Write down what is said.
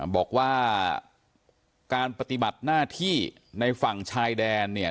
บอกว่าการปฏิบัติหน้าที่ในฝั่งชายแดนเนี่ย